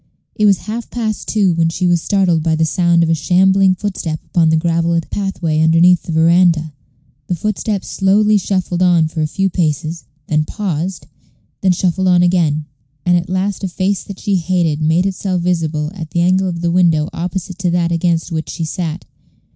It was half past two when she was startled by the sound of a shambling footstep upon the gravelled pathway underneath the veranda. The footstep slowly shuffled on for a few paces, then paused, then shuffled on again; and at last a face that she hated made itself visible at the angle of the window opposite to that against which she sat.